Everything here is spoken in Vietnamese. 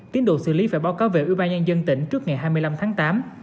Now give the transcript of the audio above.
tiến độ xử lý phải báo cáo về ủy ban nhân dân tỉnh trước ngày hai mươi năm tháng tám